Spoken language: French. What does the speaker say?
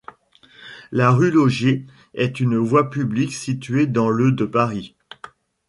La rue Laugier est une voie publique située dans le de Paris.